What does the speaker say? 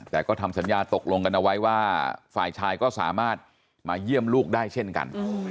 แต่ก็ทำสัญญาตกลงกันเอาไว้ว่าฝ่ายชายก็สามารถมาเยี่ยมลูกได้เช่นกัน